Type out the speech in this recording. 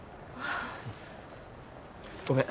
ごめん